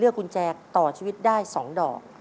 กุญแจต่อชีวิตได้๒ดอก